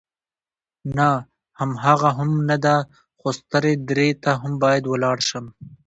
نه، هماغه هم نه ده، خو سترې درې ته هم باید ولاړ شم.